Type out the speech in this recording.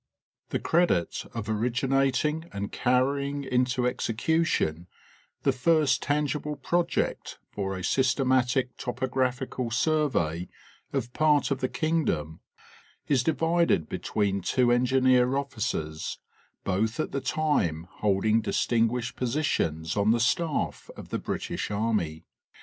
24 7 The credit of originating and carrying into execution the first tangible project for a systematic topographical survey of part of the kingdom is divided between two engineer officers, both at the time holding distinguished positions on the staff of the British army.